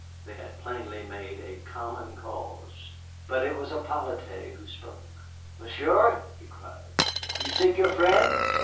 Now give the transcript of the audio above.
They had plainly made a common cause, but it was Hippolyte who spoke. "Monsieur," he cried, "you seek your friend?